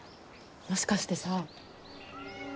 もしかしてさ。